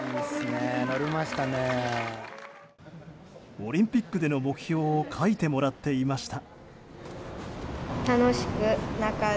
オリンピックでの目標を書いてもらっていました。